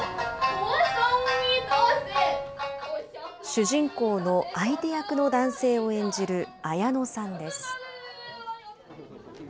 主人公の相手役の男性を演じる綾乃さんです。